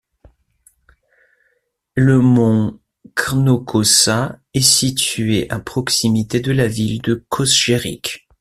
Le mont Crnokosa est situé à proximité de la ville de Kosjerić.